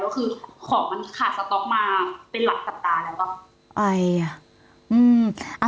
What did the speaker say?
แล้วคือของมันขาดสต๊อกมาเป็นหลักสัปดาห์แล้วป่ะอืม